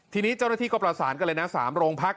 ทีนี้เจ้าหน้าที่ก็ประสานกันเลยนะ๓โรงพัก